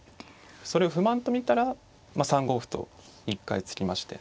それを不満と見たらまあ３五歩と一回突きまして。